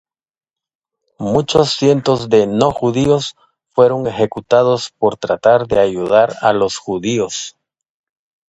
Muchos cientos de no judíos fueron ejecutados por tratar de ayudar a los judíos.